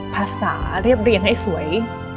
ภาษาเรียบเรียงให้สวย